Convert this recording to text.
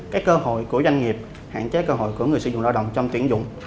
cái cơ hội của doanh nghiệp hạn chế cơ hội của người sử dụng lao động trong tuyển dụng